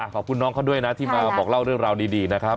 ขอบคุณน้องเขาด้วยนะที่มาบอกเล่าเรื่องราวดีนะครับ